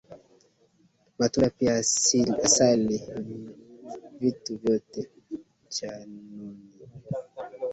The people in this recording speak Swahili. Matunda pia asali, vitu vyae chanoni,